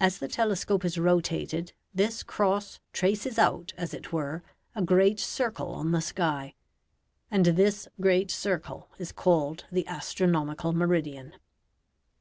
As the telescope is rotated this cross traces out, as it were, a great circle on the sky; and this great circle is called the astronomical meridian.